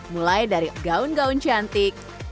mulai dari gaun gaun cantik